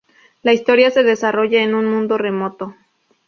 La historia se desarrolla en un mundo remoto.